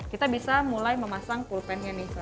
kita bisa mulai memasang pulpennya nih